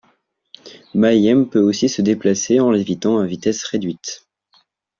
Mayhem peut aussi se déplacer en lévitant à vitesse réduite.